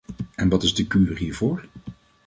En wat is de kuur hiervoor?